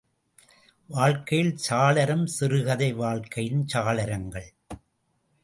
வாழ்க்கையின் சாளரம் சிறுகதை, வாழ்க்கையின் சாளரங்கள்.